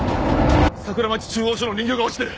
桜町中央署の人形が落ちてる。